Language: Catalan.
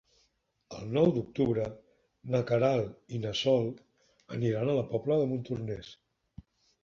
El nou d'octubre na Queralt i na Sol aniran a la Pobla de Montornès.